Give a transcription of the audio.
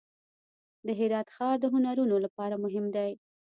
د هرات ښار د هنرونو لپاره مهم دی.